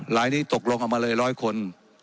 การนี้ก็มาเลย๑๐๐คน